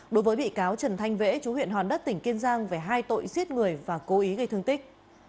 đối với bị cáo trần thanh chú huyện hòn đất tỉnh kiên giang về hai tội giết người và cố ý gây thương tích